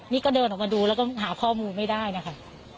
นี่ก็เดินออกมาดูแล้วก็หาข้อมูลไม่ได้นะคะ